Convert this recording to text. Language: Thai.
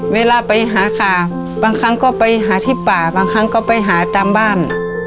เวลาไปหาข่าวบางครั้งก็ไปหาที่ป่าบางครั้งก็ไปหาตามบ้าน